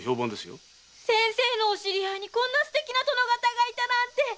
先生のお知り合いにこんなステキな殿方がいたなんて！